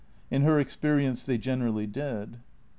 In her experience they generally did.